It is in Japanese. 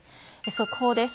速報です。